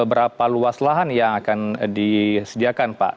berapa luas lahan yang akan disediakan pak